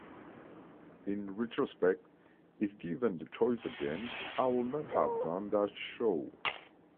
In retrospect, if given the choice again, I would not have done that show.